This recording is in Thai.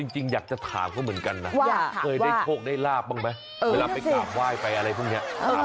จริงอยากจะถามเขาเหมือนกันนะเคยได้โชคได้ลาบบ้างไหมเวลาไปกราบไหว้ไปอะไรพวกนี้